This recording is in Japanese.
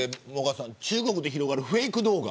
中国で広がるフェイク動画。